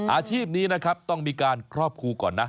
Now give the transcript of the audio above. อาชีพนี้นะครับต้องมีการครอบครูก่อนนะ